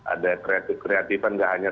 ada kreatif kreatifan nggak hanya